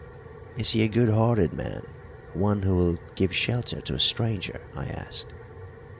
"Is he a good hearted man one who will give shelter to a stranger?" I asked.